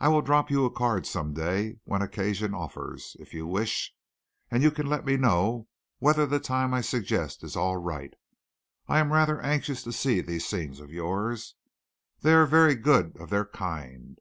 I will drop you a card some day when occasion offers, if you wish, and you can let me know whether the time I suggest is all right. I am rather anxious to see these scenes of yours. They are very good of their kind.